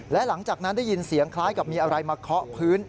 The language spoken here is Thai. และหลังจากนั้นได้ยินเสียงคล้ายกับมีอะไรมาเคาะพื้น